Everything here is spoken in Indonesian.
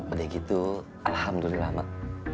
oleh gitu alhamdulillah mak